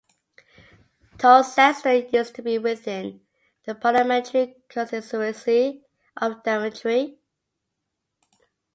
Towcester used to be within the parliamentary constituency of Daventry.